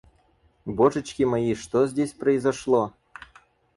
Божечки мои, что здесь произошло?